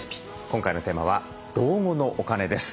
今回のテーマは老後のお金です。